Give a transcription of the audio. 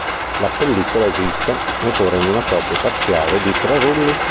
La pellicola esiste ancora in una copia parziale di tre rulli.